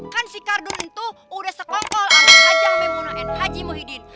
kan si kardun itu udah sekongkol sama haji amin muna dan haji muhyiddin